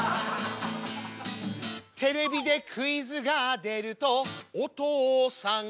「テレビでクイズが出るとお父さんが」